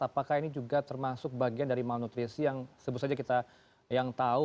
apakah ini juga termasuk bagian dari malnutrisi yang sebut saja kita yang tahu